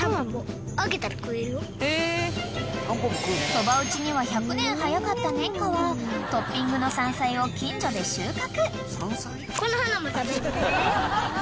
［そば打ちには１００年早かった然花はトッピングの山菜を近所で収穫］